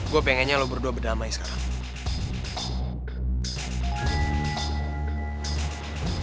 gue pengennya lo berdua berdamai sekarang